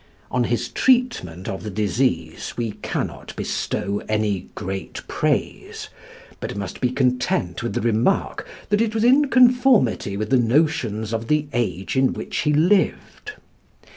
On his treatment of the disease we cannot bestow any great praise, but must be content with the remark that it was in conformity with the notions of the age in which he lived.